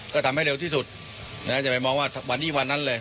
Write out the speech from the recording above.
ก็ทำให้เร็วที่สุดอย่าไปมองว่าวันนี้วันนั้นเลย